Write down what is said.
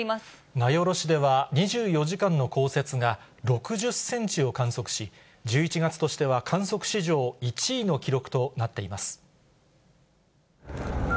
名寄市では２４時間の降雪が６０センチを観測し、１１月としては観測史上１位の記録となっています。